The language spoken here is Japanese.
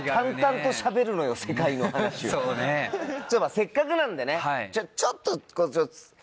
せっかくなんでねちょっと。